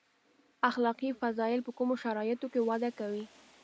اخلاقي فضایل په کومو شرایطو کې وده کوي.